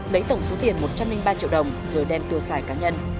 lấy tổng số tiền một trăm linh ba triệu đồng rồi đem tiêu xài cá nhân